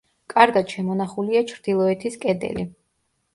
კარგად შემონახულია ჩრდილოეთის კედელი.